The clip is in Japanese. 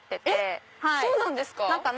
えっ⁉そうなんですか？